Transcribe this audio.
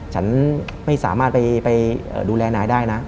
ฉันไม่สามารถไปดูแลนายได้นะ